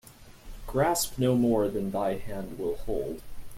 Grasp no more than thy hand will hold.